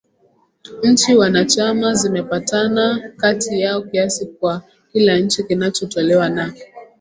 Nchi wanachama zimepatana kati yao kiasi kwa kila nchi kinachotolewa na